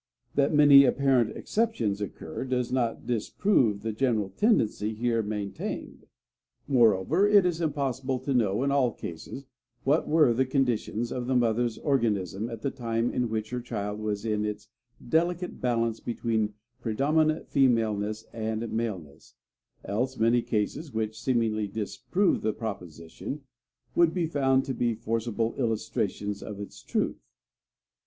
That many apparent exceptions occur does not disprove the general tendency here maintained. Moreover, it is impossible to know in all cases what were the conditions of the mother's organism at the time in which her child was in its delicate balance between predominant femaleness and maleness; else many cases which seemingly disprove the proposition would be found to be forcible illustrations of its truth.